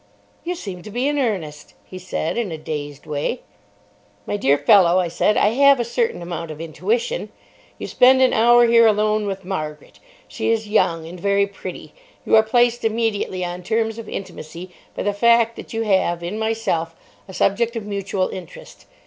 "You seem to be in earnest," he said, in a dazed way. "My dear fellow," I said; "I have a certain amount of intuition. You spend an hour here alone with Margaret. She is young, and very pretty. You are placed immediately on terms of intimacy by the fact that you have, in myself, a subject of mutual interest.